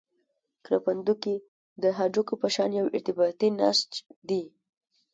کرپندوکي د هډوکو په شان یو ارتباطي نسج دي.